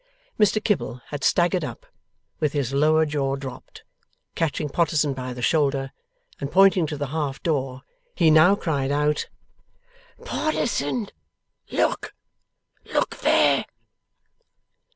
Mr Kibble had staggered up, with his lower jaw dropped, catching Potterson by the shoulder, and pointing to the half door. He now cried out: 'Potterson! Look! Look there!